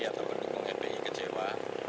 atau pendukung fpi kecewa